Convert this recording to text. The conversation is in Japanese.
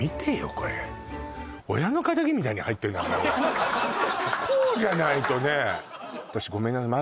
これ親の敵みたいに入ってるなこれはこうじゃないとね私ごめんなさい